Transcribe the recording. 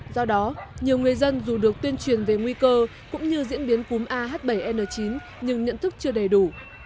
do đó nhiều người dân dù được tuyên truyền về nguy cơ cũng như diễn biến cúm ah bảy n chín nhưng nhận thức chưa đầy đủ